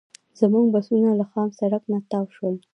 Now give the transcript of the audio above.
زموږ بسونه له خام سړک نه تاو شول.